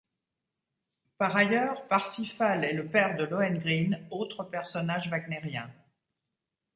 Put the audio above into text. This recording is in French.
Par ailleurs, Parzifal est le père de Lohengrin, autre personnage wagnérien.